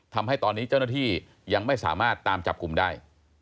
ทำให้ตอนนี้เจ้าหน้าที่ยังไม่สามารถตามจับกลุ่มได้